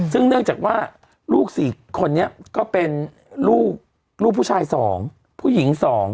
ซึ่งเนื่องจากว่าลูก๔คนนี้ก็เป็นลูกผู้ชาย๒ผู้หญิง๒